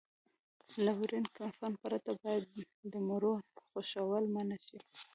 له وړین کفن پرته باید د مړو خښول منع شي.